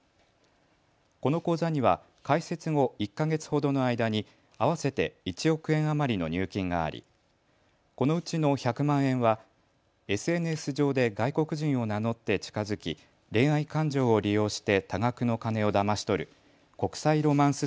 この口座には開設後１か月ほどの間に合わせて１億円余りの入金がありこのうちの１００万円はＳＮＳ上で外国人を名乗って近づき恋愛感情を利用して多額の金をだまし取る国際ロマンス